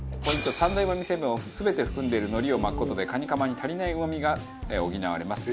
三大うま味成分を全て含んでいる海苔を巻く事でカニカマに足りないうま味が補われます。